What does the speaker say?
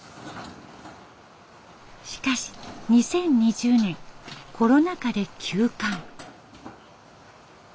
しかし２０２０年コロナ禍で休館。